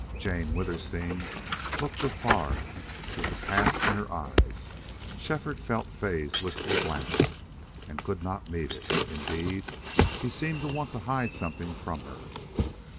Jane Withersteen looked afar with the past in her eyes. Shefford felt Fay's wistful glance and could not meet it; indeed, he seemed to want to hide something from her.